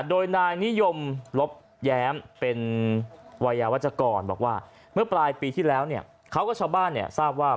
โดยนายนิยมลบแย้มเป็นวัยยาวัชกรบอกว่าเมื่อปลายปีที่แล้วเนี่ยเขาก็ชาวบ้านเนี่ยทราบว่า